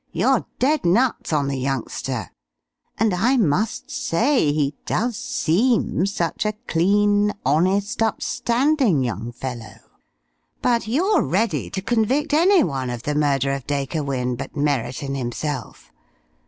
You're dead nuts on the youngster, and I must say he does seem such a clean, honest, upstanding young fellow. But you're ready to convict any one of the murder of Dacre Wynne but Merriton himself.